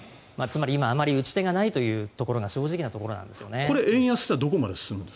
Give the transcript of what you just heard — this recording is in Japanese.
つまり、今あまり打ち手がないというところが正直なところなんですよね。